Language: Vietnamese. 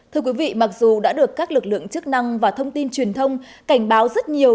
thưa quý vị mặc dù đã được các lực lượng chức năng và thông tin truyền thông cảnh báo rất nhiều